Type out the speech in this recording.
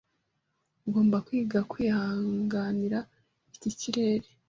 Ugomba kwiga kwihanganira iki kirere.